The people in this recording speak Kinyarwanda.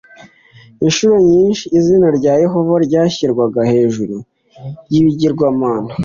inshuro nyinshi izina rya yehova ryashyirwaga hejuru y'ibigirwamana